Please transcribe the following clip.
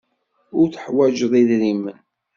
Ur teḥwajeḍ idrimen.